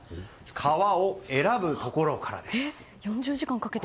革を選ぶところからです。